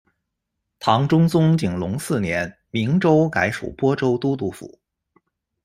唐中宗景龙四年明州改属播州都督府。